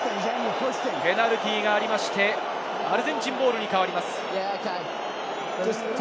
ペナルティーがありまして、アルゼンチンボールに変わります。